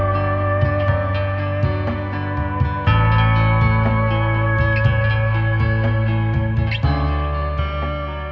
แล้วว่าไม่รู้สึกว่าคือไม่โอเคเราต้องกินเท่าไหร่กันดีกว่าได้ไหม